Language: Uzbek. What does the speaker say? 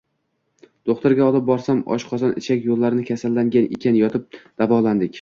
Do`xtirga olib borsam, oshqozon-ichak yo`llari kasallangan ekan, yotib davolandik